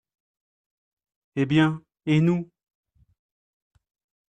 Eh bien, et nous ?